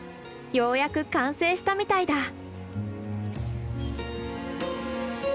ようやく完成したみたいだ。